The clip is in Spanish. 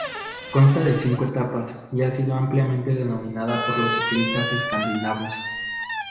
Consta de cinco etapas y ha sido ampliamente dominada por ciclistas escandinavos.